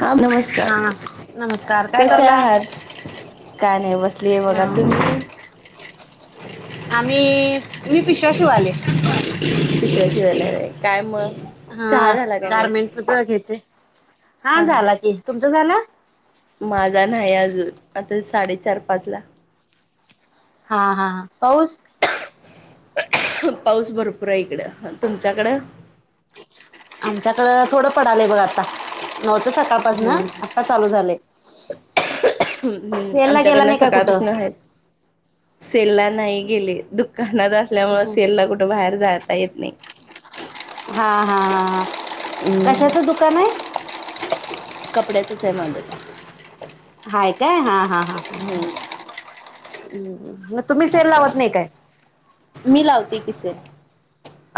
हा नमस्कार हा नमस्कार काय कसे करला आहात? काय नाही बसली आहे बघा तुम्ही आम्ही मी पिशव्या शिवलंय. पिशव्या शिवायला हो काय म हा गारमेंटच घेते हा झाला की तुमच झालं माझा नाही अजून आता साडेचार पाच ला हा हा पाऊस पाऊस भरपूर आहे इकडे तुमच्याकडे? आमच्याकडं थोडं पडालय बघ आता. नऊ त सकाळपास न हम्म आता चालू झाले. हम्म ला गेला आमच्याकडन नाही काय कुठं सकाळपासून आहेच. सेल ला नाही गेले दुकानात असल्यामुळे सेल ला कुठे बाहेर जात येत नाही. हा हा हा हम्म कशाच दुकान आहे? कपड्यातच आहे माझं. हाय काय हा हा ह् हम्म म तुम्ही सेल लावत नाही काय. मी लावते कि सेल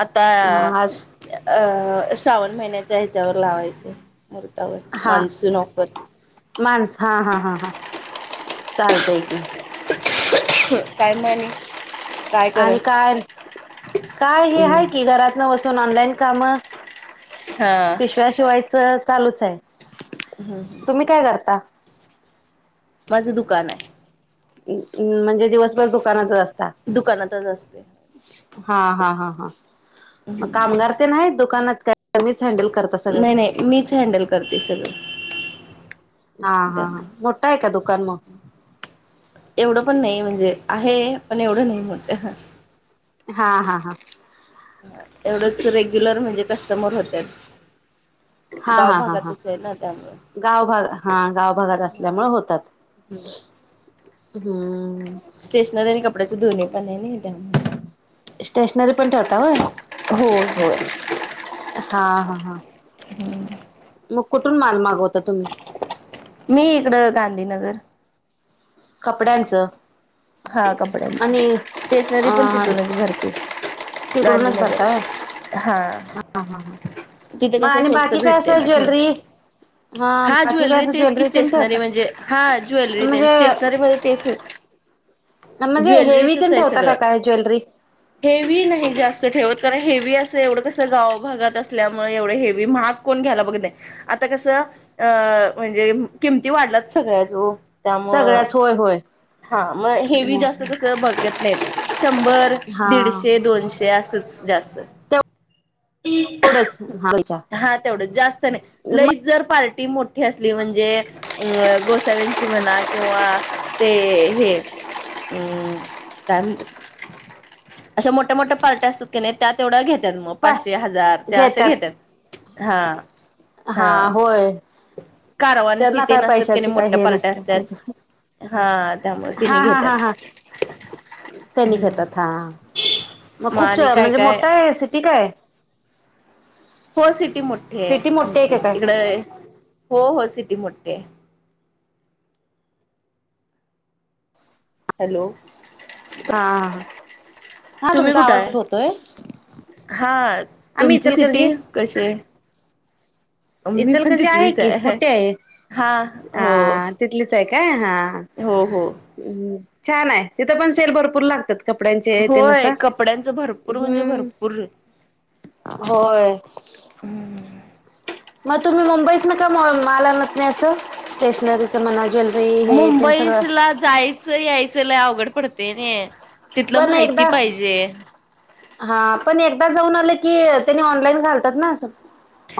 आता हा अ श्रावण महिन्याच्या ह्याच्यावर लावायचं मर्तावर हा मान्सून ऑफर. माणस हा हा हा हा चालतय कि. काय म आणि आणि काय काय हे आहे की घरातन बसून ऑनलाईन कामं. हा. पिशव्या शिवायच चालूच आहे. हंम. तुम्ही काय करता? माझं दुकान आहे. म- म्हणजे दिवसभर दुकानातच असता? दुकानातच असते हा ह ह ह म कामगार ते नाही दुकानात का तुमीच हडल कर नाही नाही मीच हॅनडल करते सगळ. हा हा हा मोठा आहे का दुकान मग. एवढं पण नाही म्हणजे आहे पण एवढं नाही मोठ. हा हा हा. एवढच रेग्युलर म्हणजे कस्टमर होत्यात. गाव भागातच आहे ना. त्यामुळे गावभाग हा गाव भागात असल्यामुळे होतात. हम्म! स्टेशनरी आणि कपड्याच धुनी पण आहे नाही, त्या स्टेशनरी पण ठेवता होय होय होय हा हा. ह मग कुठून माल मागवता तुम्ही? मी इकडं गांधीनगर. कपड्यांचं. हा कपड्यांच आणि स्टेशनरी अ पण तिथूनच भरते. तिकडूनच भरता गांधीनगरच होय. हा‌. तिथे मग कसं, आणि स्वस्त बाकी काय भेटते असं ना थोडं. ज्वेलरी हा बाकी काय ज्वेलरी असं तेच की तेन स्टेशनरी ठेवता म्हणजे, हा ज्वेलरी ते म्हणजे स्टेशनर म तेच म्हणजे हेवी ज्वेलरीचच तेन आहे ठेवता का सगळं काय ज्वेलरी? हेवी नाही जास्त ठेवत, कारण हेवी असं एवढं कसं गाव भागात असल्यामुळे एवढे हेवी महाग कोण घ्यायला बघत नाही आता कसं अ म्हणजे किमती वाढलात सगळ्यांच्या ओ. त्यामुळं सगळ्याच होय होय हा. मग हेवी जास्त कस बघत नाहीत शंभर, हा दिडशे. ते दोनशे असच जास्त. हा तेवढंच जास्त नाही मग लई जर पार्टी मोठी असली, म्हणजे अ गोसाव्यांची म्हणा, किंवा ते हे अम्म काय म्हणतात? अशा मोठ्या मोठ्या पार्ट्या असतात क नाय, त्या तेवढ्या घेत्यात म पा पाचशे हजार च्या अशा घेतात घेत्यात‌. हा हा, होय, कारवांची त्यांना ते काय नसतात की पैशाची नाही काय मोठ्या हे पार्ट्या नसत्या असतात त्याज्या हा, त्यामुळ तिनी घेत्यात. त्यानी घेतात, हा म मग खूप, आणि काय म्हणजे काय मोठा आहे सिटी काय ये? हो सिटी मोठी हाय सिटी मोठी आहे का आमची काय इकड, हो हो, सिटी मोठी हाय. हॅलो, हा, हा तुम्ही तुमचा कुठे आवाज हाय, होतोय हा, आम्ही तुमची सिटी इचलकरंजी कशी आहे? मी पण इचलकरंजी आहे तिथलीच की हाय, मोठी आहे हा, हो. हा तिथलीच हाय काय, हा हो हो. हम्म, छान हाय, तिथं पण सेल भरपूर लागत्यात. कपड्यांचे तेन होय आता, कपड्यांचं भरपूर म्हणजे हम्म भरपूर होय. म तुम्ही मुंबई तन, का मोल माल आणत नाय असं स्टेशनरी ते म्हणा ज्वेलरी, हे तेन सगळं आ जाय चं यायच लय अवघड पडतय नय. पण एकदा हा, पण एकदा जाऊन आल की, त्यांनी ऑनलाईन घालतात ना, अस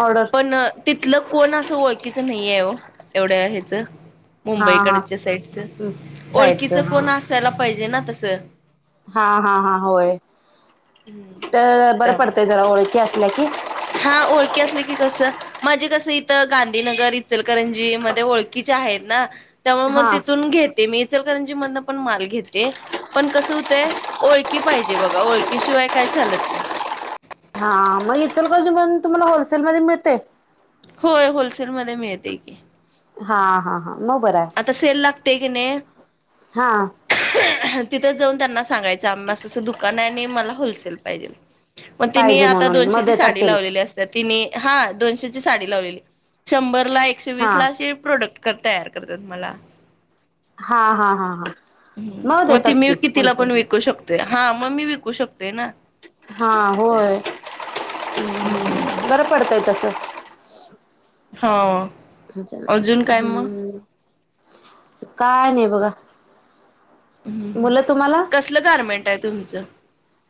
ऑर्डर. पण तिथलं कोण असं ओळखीचं नाहीये ओ, एवढ्य ह्याच हा हा मुंबईकडच्या साईडच, साईडच ओळखीच कोण असायला पाहिजे ना तस हा हा हा, होय, त बरं त्यामुळे पडतय जरा ओळखी असल्या की हा ओळखी असल्या की कसं माझी कस इथं गांधीनगर, इचलकरंजी मध्ये ओळखीच्या हाईत ना त्यामुळ म हा तिथून घेते मी, इचलकरंजी मधन पण माल घेते. पण कसं होतय, ओळखी पाहिजे बघा, ओळखी शिवाय काय चालत नाही. हा म इचलकरंजी मधून तुम्हाला होलसेल मध्ये मिळतय. होय होलसेलमध्ये मिळतय की हा हा हा म बरं हाय. आता सेल लागतय क नय हा तिथंच जाऊन त्यांना सांगायचं, आम अससं दुकान आहे आणि मला होलसेल पाहिजेल. म तिनी पाहिजे आता म्हणून दोनशे मग ची देतात साडी त्यानी लावलेली अस त तिनी हा, दोनशेची साडी लावलेली, शंभरला, एकशे हा वीस ला, अशी प्रोडक्ट कर तयार करतात मला हा हा हा हा मग ह म ती देतात मी की कितिला पण होलसेल विकू शकतेय हा म मी विकू शकतेय ना. हा असं आहे होय हम्म हम्म बरं पडतय तस हो. हं चल हम्म काय नाय बघा मुलं तुम्हाला कसलं गार्मेंट आहे तुमचं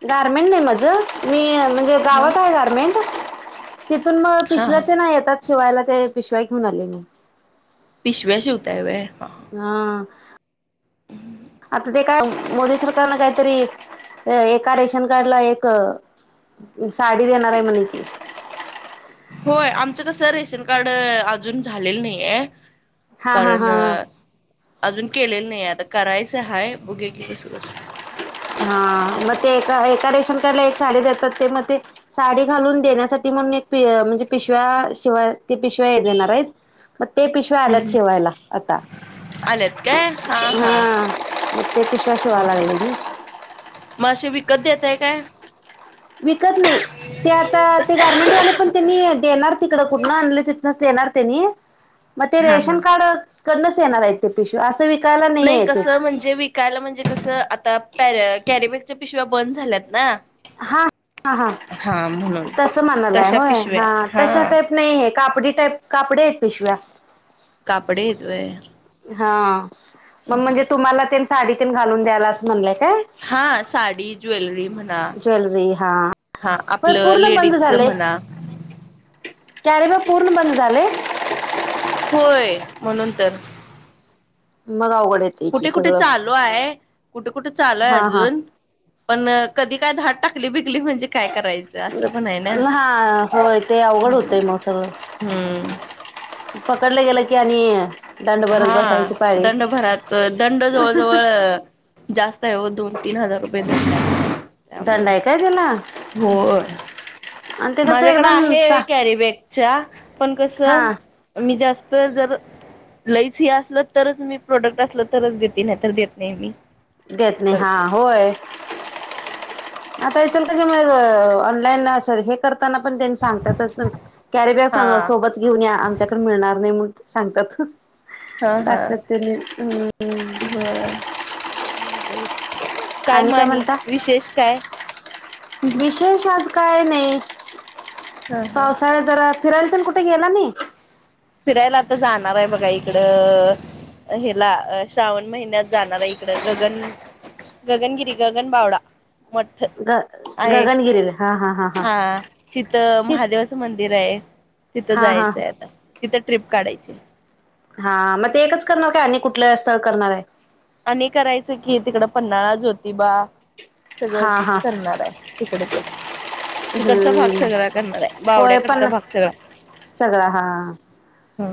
गारमेट नाही माझं मी म्हणजे ह गावात आहे गारमेंटम. तिथून मग हा पिशव्या हा ते नाही येतात शिवायला ते पिशव्या घेऊन आले मी. पिशव्या शिवताय वय. हा आता ते का मोदी सरकारन काहीतरी. एका रेशन कार्ड ला एक साडी देणार आहे म्हणे. होय आमचं कसं रेशन कार्ड अजून झालेलं नाही आहे. हा हा कारण हा हा. अजून केलेलं नाही आता करायचं हाय बुकिंग. हा मग ते एका एका रेशन कार्ड ला एक साडी देतात ते मग तेजेवण. साडी घालून देण्यासाठी म्हणून एक म्हणजे पिशव्या शिवाय. ते पिशव्या हे देणार आहेत मग ते पिशव्या हम्म आल्यात हम्म शिवायला आता. हा म ते पिशव्या शिवाल लागली ती. म असे विकत देताय काय. विकत नाही ते आता ते गारमेंट वाले पण त्यांनी. येणार तिकड कुठन आण तिथनच येणार ते नाही मग ते हा रेशन हा कार्ड कडनच येणार आहेत. ते पिशव्या असं विकायला नाही येत. म्हणजे वीक. कायला म्हणजे कस आता पॅर कॅरेबकच्या पिशव्या बंद झाल्यात ना. हा ह हा म्हणून तस म्हणालाय तशा होय ह पिशव्या तश हा. का नाही हे कापडी टाईप कापडे आहेत पिशव्या. कापडी येत होय. हा मग म्हणजे तुम्हाला ते साडी ते घालून द्यायला असं म्हणलंय काय. हा साडी ज्वेलरी म्हणा. ज्वेलरी हा हा होय आपलं पूर्ण बंद लेडीज झालय म्हणा. कॅरीबॅग पूर्ण बंद झाले. होय म्हणून तर. मंग अवघड आहे. कुठे कुठे चालू आहे कुठे कुठे चालू आहे हा हा अजून. पण कधी काय धाड टाकली बिकली म्हणजे काय करायच. हा होय ते अवघड होतंय मग सगळ. हम्म. पकडलं गेलं की आणि. दंड हा भरत बसायची पाळी दंड भरात दंड जवळ जवळ. जास्त आहे हो दोन तीन हजार रुपये त्यामुळे दंड आहे काय त्याला होय. आणि ते कसं माझ्याकडे एकदम चा आहे कॅरी बॅगच्या पण कस हा मी जास्त जर. लईच हे असलं तरच मी प्रोडक्ट असलं तरच देेते नाही तर देत नाही मी. देत असं नाही करतोय हां होय. आता इचलकरंजी मुळं ऑनलाईन सारख. करताना पण त्यां सांगतात कॅरीबॅग हा स सोबत. घेऊन या आमच्याकडे मिळणार नाही मग ते सांगतात. [inaudible] हो म्हण गेली. काय आणि मनी म्हणता विशेष काय. शेष आज काय नाही हा हा पावसाळ्या जरा फिरायला पण कुठे गेला नाही. फिरायला आता जाणार आहे बघा इकड. ह्यला अ श्रावण महिन्यात जाणार आहे इकडं गगन गगनगिरी गगन बावडा. ग गगनगिरीला हां हां हां तिथं महादेवाचं मंदिर आहे तिथं हा हा जायचंय आता. तिथं ट्रीप काढायची. हां मग ते एकच करणार काय आणि कुठलं स्थळ करणार आहे. आणि करायचं की तिकडं पन्हाळा, जोतीबा हा सगळंच हा करणार आहे तिकडचं. तिकडचा भाग हम्म सगळा करणार आहे होय बावड्याकडचा पण भाग सगळा. सगळा हां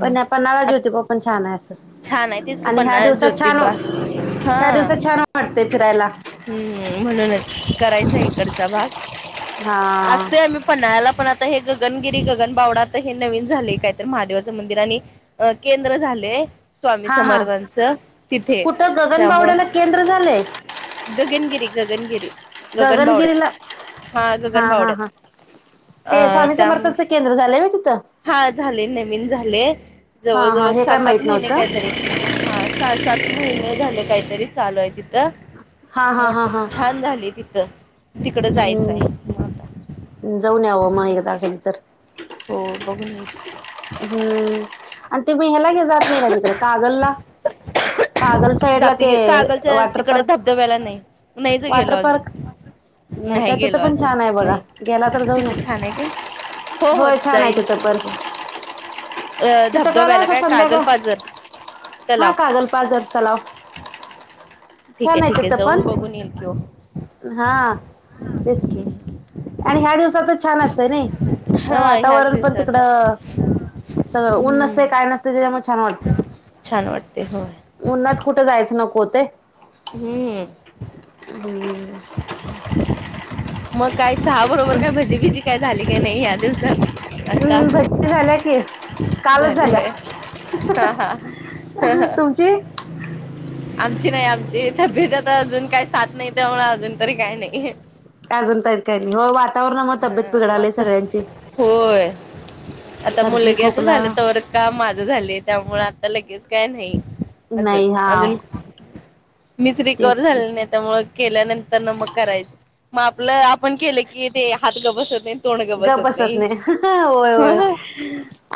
पण पण पन्हाळा, जोतिबा पण छान छान आहे तेच असं की आणि ह्या पन्हाळा दिवसात छान ज्योतिबा हा ह दिवसात छान वाटतंय फिरायला. हम्म म्हणूनच करायचा इकडचा भाग हा असते आम्ही पन्हाळ्याला पण आता हे गगनगिरी गगन बावडा आता हे नवीन झाले काय तर महादेवाचं मंदिर आणि अ केंद्र झाले स्वामी हा हा समर्थांच तिथे कुठं त्यामुळं गगनबावड्याला केंद्र झालंय? गगनगिरी गगनगिरी गगनगिरीला गगनबावड्यात हा हां हां गगनबावड्यात हां ते स्वामी समर्थच केंद्र झालंय व्हय तिथं? हां झाले नवीन झाले हा हा जवळजवळ हे सहा काय सात माहित महिने काय नव्हतं तरी झाले. हां सात सात महिने झाले काहीतरी चालू आहे तिथं. हा हा मठ हा हा छान झालंय तिथं. तिकडं जायचं आहे मग आता हम्म जाऊन यावं मग एकदा बघूया कधी तर. हो बघून येच. हम्म आणि ते मेहयला घे जात नाही का तिकडे कागलला कागल साईड ला ते जाते कागलच्या वॉटर तिकडे पार्क, धबधब्याला नाही नाहीच गेलो वॉटर अजून पार्क. नाही काय तिथं गेलो पण अजून छान आहे बघा नाही गेला तर जाऊन तिथे छान आहे काय हो हो होय छान आहे जाईन तिथं की पण. बघेन अ तित खरं धबधब्याला का काय कागल संध्याकाळ पाजर हां तलाव कागल पाझर तलाव ठीक छान ठीके आहे जाऊन बघून येईल कि ओ. हां तेच की आणि ह्या दिवसात छान असतं नाही. तर हा ह्याच वातावरण पण दिवसात तिकडं सगळं ऊन हम्म नसते काय नसते त्याच्यामुळे छान वाटते. छान वाटते हो उन्हात कुठे जायचं नको ते. हम्म हम्म मग काय चहा बरोबर काय भजी भिजी काय झाली काय नाही या दिवसात? आता अम् भज्जी झाल्या की. कालच झाली झाल्या, वय तुमची? हम् [unintelligible] आमची नाही आमची, तब्येत आता अजून काही साथ नाही, त्यामुळे अजून तरी काही नाही. अजून तरी काही नाही, हो वाट वातावरणामुळे तब्येत हा बिघडलीय वाटत सगळ्यांची. होय आता सर्दी, मुलग्याच खोकला झालं तवर काम माझं झालंय, त्यामुळे आता लगेच काय नाही. अजून नाही हा अजून मीच रीकव्हर तेच की झाले नाही. त्यामुळं केल्यानंतर ना मग करायचं मग आपलं आपण केलं की ते हात गबसते. ग बसत नाही होय होय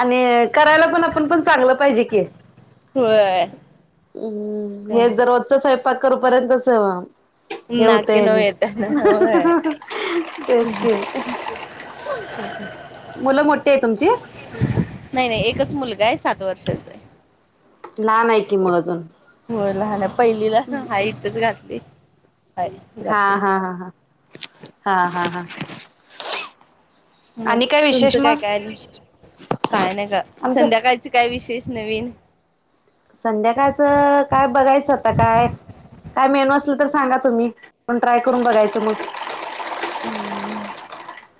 आणि करायला पण आपण पण चांगलं पाहिजे कि व्हय हम्म हे दरोजच सैपाक करू पर्यंतच हे नाकी नऊ होतंय [unintelligible] येत होय तेच की मुलं मोठी आहे तुमची? नाही, नाही, एकच मुलगा आहे सात वर्षांचा. लहान आहे की मग अजून हो, लहान आहे पहिलीलाच आहे इथेच घातलंय. हा हा हा हा हा हा हा. मग आणि काय तुमचं विशेष काय मग काय विशेष? काय नाही का आमचं संध्याकाळच काय विशेष नवीन? संध्याकाळचं काय बघायचं, आता काय काय मेनू असले तर सांगा तुम्ही, मगं ट्राय करून बघायचं मग हम्.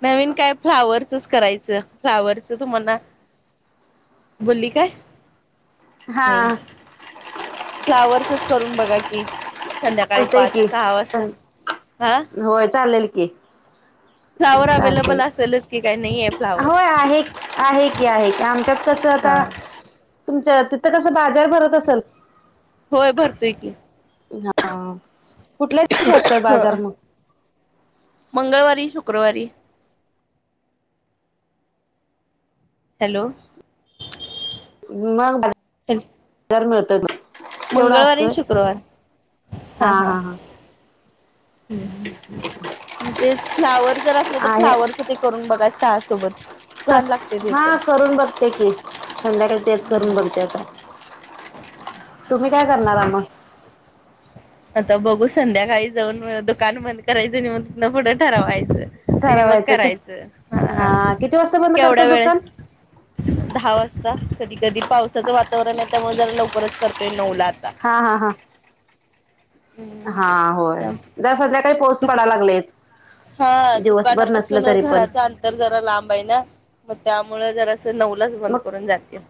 नवीन काय फ्लावरचंच करायचं, फ्लावरचं तुम्हाला बोलली काय नाही, हा फ्लावर्सच करून बघा की संध्याकाळी चालतंय पाच- की सहा वाजता हा होय, चाललेल की. फ्लाँवर अवेलेबल चालतंय असेलच की, काय नाही आहे फ्लाँवर [inaudible] होय आहे आहे की आहे की आमच्यात कसं हा आता [inaudible] तुमच्या तिथं कसं बाजार भरत असेल? होय, भरतोय की. हा, कुठल्याच दिवशी असतय बाजार मग? मंगळवारी, शुक्रवारी. हॅलो‌? मग [inaudible] बाजार मिळतो मग. तेवढा मंगळवारी असतोय, शुक्रवार [inaudible] हा हा हा. [inaudible] तेच फ्लावर जर असलं, तर हा आहे फ्लावरचं ते करून बघा चहासोबत. हा, करून बघते की, संध्याकाळी तेच करून हम्म बघते आता. तुम्ही काय करणार आहे मग? आता बघू संध्याकाळी जाऊन दुकान बंद करायचं आणि मग तिं तिथनं पुढं ठरवायचं. आणि मग ठरवायचं कि करायचं, हा किती वाजता बंद केवढ्या करतात वेळ दुकान दहा वाजता, कधी कधी पावसाचं वातावरण असतंय, त्यामुळे जरा लवकरच करतोय नऊ ला आता. हा हा हा हा, होय. दस हजार काही पोस दु पडाय लागलेत. हा, दुकानापासून पण घराचा तर जरा लांब आहे ना, मग त्यामुळे जरासं नऊलाच बंद मग करून जाते.